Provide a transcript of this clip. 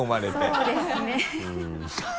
そうですね